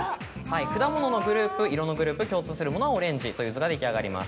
果物のグループ色のグループ共通するものはオレンジという図が出来上がります。